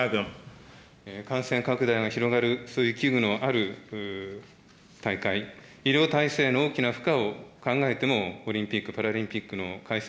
感染拡大が広がる、そういう危惧のある大会、医療体制の大きな負荷を考えても、オリンピック・パラリンピックの開催